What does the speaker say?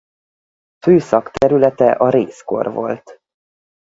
Fő szakterülete a rézkor volt.